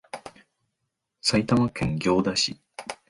埼玉県行田市